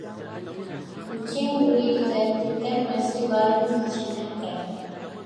Kucing boleh dikatakan masih baru dijinakkan.